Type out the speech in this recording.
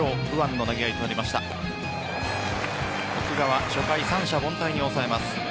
奥川、初回を三者凡退に抑えます。